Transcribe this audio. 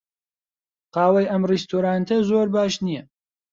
قاوەی ئەم ڕێستۆرانتە زۆر باش نییە.